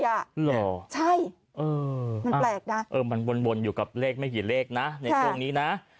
เหรอใช่มันแปลกนะเออมันวนอยู่กับเลขไม่กี่เลขนะในช่วงนี้นะ